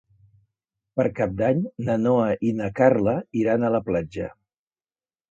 Per Cap d'Any na Noa i na Carla iran a la platja.